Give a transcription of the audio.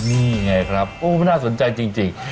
นี่ไงครับโอ้น่าสนใจจริง